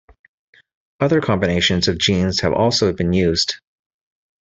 Other combinations of genes have also been used.